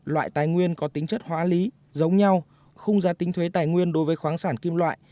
loại tài nguyên có tính chất hóa lý giống nhau khung giá tính thuế tài nguyên đối với khoáng sản kim loại